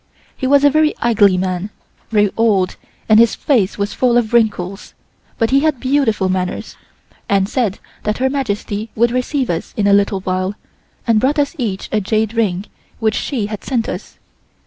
He was a very ugly man, very old and his face was full of wrinkles; but he had beautiful manners and said that Her Majesty would receive us in a little while, and brought us each a jade ring which she had sent us.